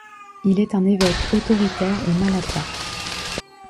Il est un évêque autoritaire et maladroit.